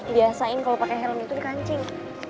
biasain kalo pake helm itu di kancing